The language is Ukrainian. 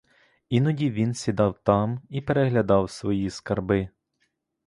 Іноді він сідав там і переглядав свої скарби.